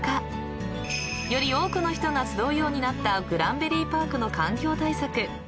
［より多くの人が集うようになったグランベリーパークの環境対策］